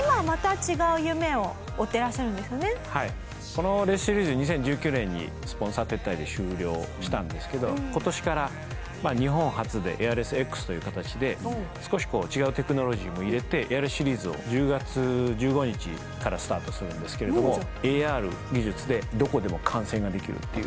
このレースシリーズ２０１９年にスポンサー撤退で終了したんですけど今年から日本初でＡＩＲＲＡＣＥＸという形で少し違うテクノロジーを入れてやるシリーズを１０月１５日からスタートするんですけれどもＡＲ技術でどこでも観戦ができるっていう。